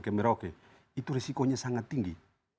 ke merauke itu risikonya sangat tinggi